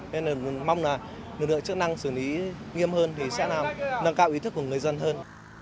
nên là mong là lực lượng chức năng xử lý nghiêm hơn thì sẽ làm nâng cao ý thức của người dân hơn